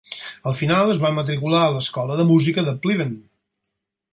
Al final es va matricular a l'escola de música de Pleven.